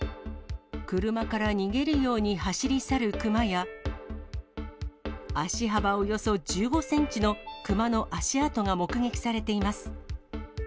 車から逃げるように走り去るクマや、足幅およそ１５センチのクマの足跡が目撃されています。